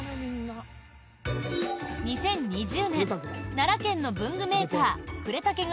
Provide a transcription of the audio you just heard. ２０２０年奈良県の文具メーカー、呉竹が